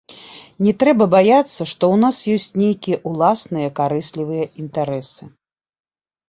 Не трэба баяцца, што ў нас ёсць нейкія ўласныя карыслівыя інтарэсы.